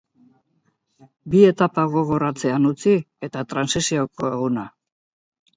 Bi etapa gogor atzean utzi eta transizioko eguna.